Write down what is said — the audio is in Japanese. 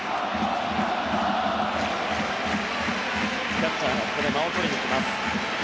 キャッチャーが間をとりに行きます。